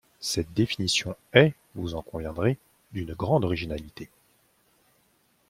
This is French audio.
Cette définition est, vous en conviendrez, d’une grande originalité.